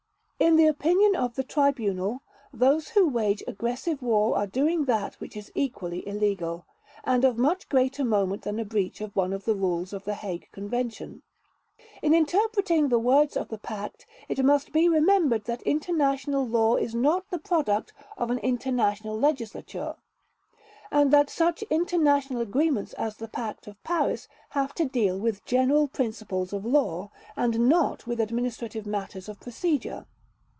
In the opinion of the Tribunal, those who wage aggressive war are doing that which is equally illegal, and of much greater moment than a breach of one of the rules of the Hague Convention. In interpreting the words of the Pact, it must be remembered that international law is not the product of an international legislature, and that such international agreements as the Pact of Paris have to deal with general principles of law, and not with administrative matters of procedure.